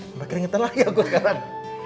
sampai keringetan lagi aku sekarang